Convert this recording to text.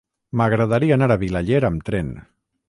M'agradaria anar a Vilaller amb tren.